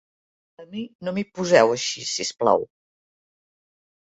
A mi no m'hi poseu així, si us plau.